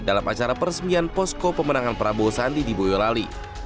dalam acara peresmian posko pemenangan prabowo sandi di boyolali